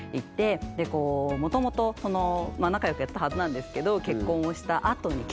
でこうもともとその仲良くやってたはずなんですけど結婚をしたあとにええ！